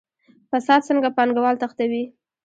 فساد څنګه پانګوال تښتوي؟